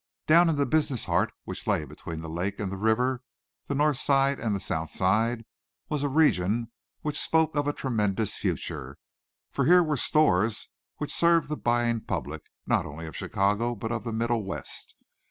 Down in the business heart which lay between the lake and the river, the North Side and the South Side, was a region which spoke of a tremendous future, for here were stores which served the buying public, not only of Chicago, but of the Middle West.